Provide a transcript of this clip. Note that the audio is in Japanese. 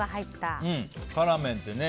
辛麺ってね。